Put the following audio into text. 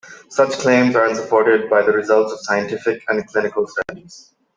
Such claims are unsupported by the results of scientific and clinical studies.